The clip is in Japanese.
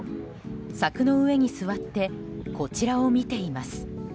柵の上に座ってこちらを見ています。